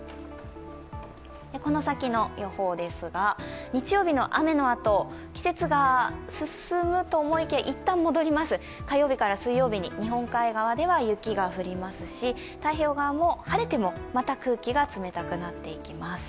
この先の予報ですが、日曜日の雨のあと季節が進むと思いきや、一旦戻ります、火曜日から水曜日に日本海側では雪が降りますし、太平洋側も晴れてもまた空気が冷たくなっていきます。